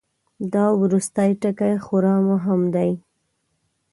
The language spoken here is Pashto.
دا وروستی ټکی خورا مهم دی.